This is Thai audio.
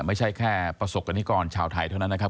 ไม่ใช่แค่ประสบกรณิกรชาวไทยเท่านั้นนะครับ